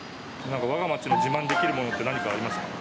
わが町の自慢できるものって何かありますか？